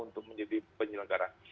untuk menjadi penyelenggara